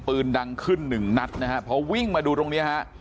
ปืนดังขึ้นหนึ่งนัดนะฮะพอวิ่งมาดูตรงเนี้ยฮะ